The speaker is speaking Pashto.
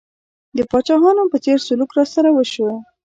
د پاچاهانو په څېر سلوک راسره وشو.